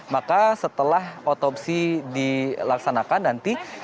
maka setelah otopsi dilaksanakan nanti